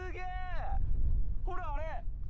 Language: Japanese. ほらあれ。